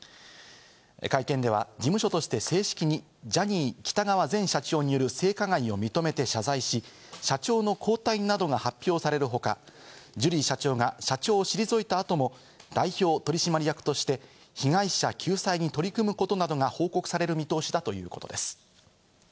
会見では、事務所として正式にジャニー喜多川前社長による性加害を認めて謝罪し、社長の交代などが発表される他、ジュリー社長が、社長を退いた後も代表取締役として被害者救済に取り組むことなどが報告される見通しだということです。